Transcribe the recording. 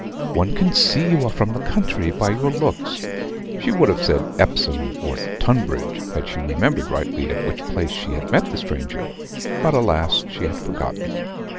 'One can see you are from the country by your looks.' She would have said 'Epsom,' or 'Tunbridge,' had she remembered rightly at which place she had met the stranger; but, alas! she had forgotten.